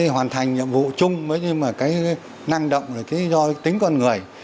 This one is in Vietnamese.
hoàn thành nhiệm vụ chung với cái năng động do tính con người